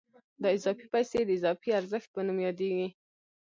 دا اضافي پیسې د اضافي ارزښت په نوم یادېږي